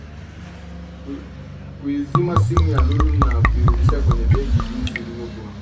kuizima simu ya Lulu na kuirudisha kwenye begi jinsi ilivyokuwa